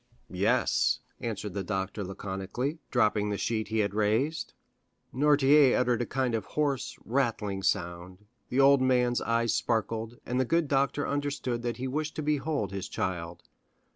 50099m "Yes," answered the doctor laconically, dropping the sheet he had raised. Noirtier uttered a kind of hoarse, rattling sound; the old man's eyes sparkled, and the good doctor understood that he wished to behold his child.